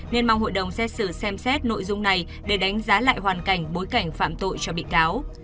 nên mong hội đồng xét xử xem xét nội dung này để đánh giá lại hoàn cảnh bối cảnh phạm tội cho bị cáo